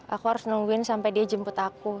aku harus nungguin sampai dia jemput aku